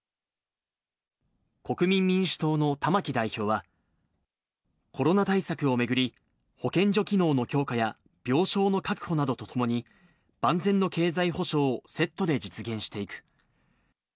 国民民主党の玉木代表は、コロナ対策を巡り、保健所機能の強化や病床の確保などとともに、万全の経済補償をセットで実現していく。